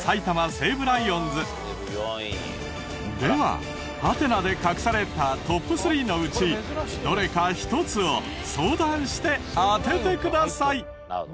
ではハテナで隠されたトップ３のうちどれか１つを相談して当ててください。